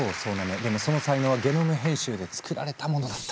でもその才能はゲノム編集で作られたものだった。